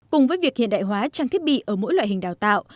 cùng với việc hiện đại hóa trang thiết bị ở mỗi loại hình đào tạo